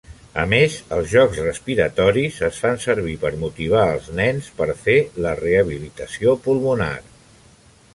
A més, els jocs respiratoris es fan servir per motivar els nens per fer la rehabilitació pulmonar.